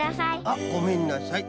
あっごめんなさい。